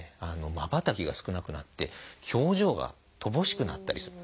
まばたきが少なくなって表情が乏しくなったりする。